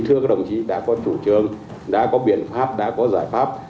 thưa các đồng chí đã có chủ trương đã có biện pháp đã có giải pháp